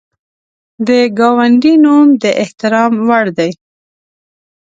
د ګاونډي نوم د احترام وړ دی